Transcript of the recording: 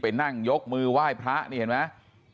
นั่งยกมือไหว้พระนี่เห็นไหม